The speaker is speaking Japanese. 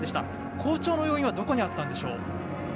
好調の要因はどこにあったんでしょう。